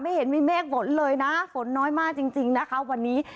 เห็นมีเมฆฝนเลยนะฝนน้อยมากจริงนะคะวันนี้